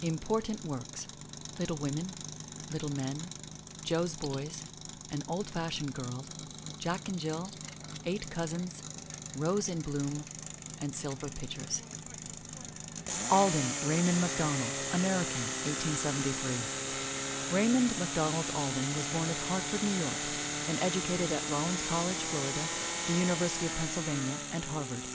Important Works: Little Women Little Men Jo's Boys An Old fashioned Girl Jack and Jill Eight Cousins Rose In Bloom Silver Pitchers ALDEN, RAYMOND MacDONALD (American, 1873 ) Raymond MacDonald Alden was bom at Hartford, New York, and educated at Rollins College, Florida, the University of Penn sylvania, and Harvard.